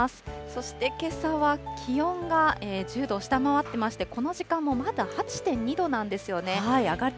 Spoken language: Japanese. そしてけさは気温が１０度を下回ってまして、この時間もまだ８．２度なんですよね。